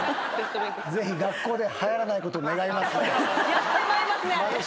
やってまいますねあれ。